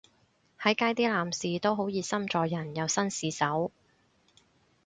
喺街啲男士都好熱心助人又紳士手